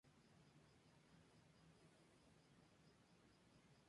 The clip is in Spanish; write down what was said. No tuvo descendientes directos, ya que no tuvo hijos sino sobrinos.